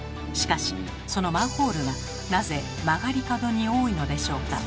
しかしそのマンホールがなぜ曲がり角に多いのでしょうか？